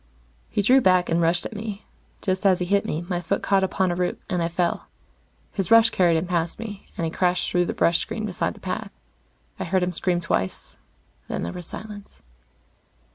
He drew back and rushed at me. Just as he hit me, my foot caught upon a root, and I fell. His rush carried him past me, and he crashed through the brush screen beside the path. I heard him scream twice, then there was silence.